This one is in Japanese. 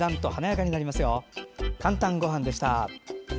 「かんたんごはん」でした。